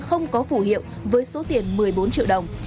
không có phủ hiệu với số tiền một mươi bốn triệu đồng